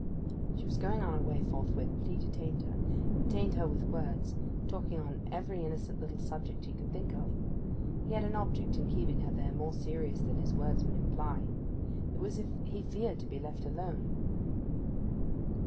She was going on her way forthwith; but he detained her—detained her with words, talking on every innocent little subject he could think of. He had an object in keeping her there more serious than his words would imply. It was as if he feared to be left alone.